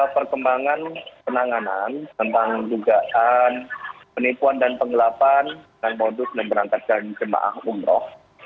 perkembangan penanganan tentang dugaan penipuan dan penggelapan dengan modus memberangkatkan jemaah umroh